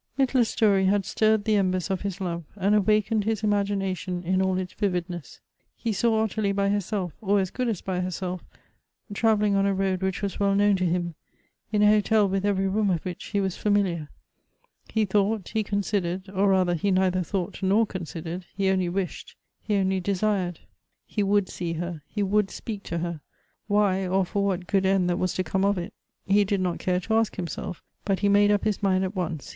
Mittler's story had stirred the embers of his love, and awakened his imagination in all its vividness. He saw Ottilie by herself, or as good as by herself, travel ling on a road which was well known to him — in a hotel with every room of which he was familiar. He thought, he considered, or rather he neither thought nor con sidered ; he only wished — he only desii ed. He would see her ; he would speak to her. Why, or for what good end that was to come of it, he did not care to ask him self; but he made up his mind at once.